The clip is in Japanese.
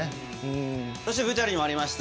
そしてＶＴＲにもありました